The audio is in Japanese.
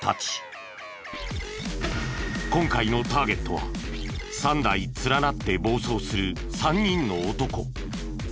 今回のターゲットは３台連なって暴走する３人の男。